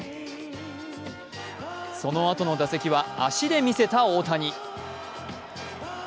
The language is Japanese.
そのあとの打席は、足でみせた大谷。